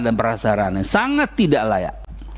dan perasarannya sangat tidak layak